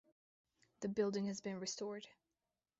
The building has been restored.